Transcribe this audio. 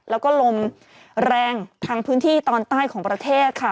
แล้วก็ลมแรงทางพื้นที่ตอนใต้ของประเทศค่ะ